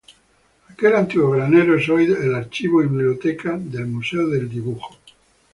Aquel antiguo granero es hoy el archivo y biblioteca del Museo de Dibujo.